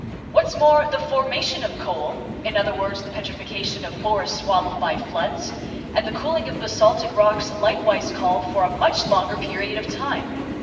What's more, the formation of coal—in other words, the petrification of forests swallowed by floods—and the cooling of basaltic rocks likewise call for a much longer period of time.